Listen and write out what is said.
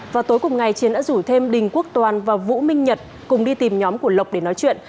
vào tối cùng ngày chiến đã rủ thêm đình quốc toàn và vũ minh nhật cùng đi tìm nhóm của lộc để nói chuyện